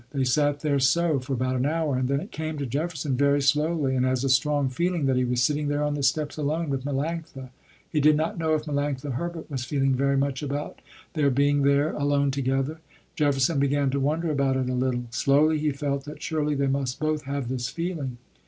They sat there so, for about an hour, and then it came to Jefferson very slowly and as a strong feeling that he was sitting there on the steps, alone, with Melanctha. He did not know if Melanctha Herbert was feeling very much about their being there alone together. Jefferson began to wonder about it a little. Slowly he felt that surely they must both have this feeling.